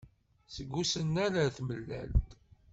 Seg usennan ar tmellalt.